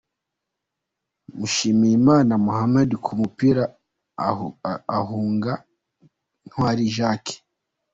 Mushimiyimana Mohammed ku mupira ahunga Ntwari Jacques